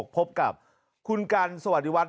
พบกับคุณกันสวัสดีวัฒน